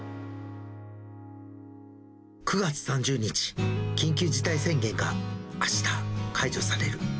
９月３０日、緊急事態宣言があした、解除される。